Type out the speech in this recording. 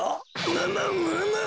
むむむむむ。